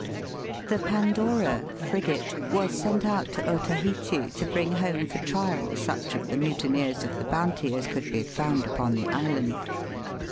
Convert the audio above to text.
The Pandora, frigate, was sent out to Ota heite, to bring home for trial such of the mutineers of the Bounty as could be found upon the island.